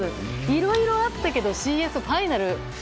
いろいろあったけどＣＳファイナル。